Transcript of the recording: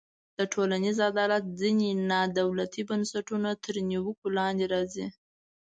د ټولنیز عدالت ځینې نا دولتي بنسټونه تر نیوکو لاندې راځي.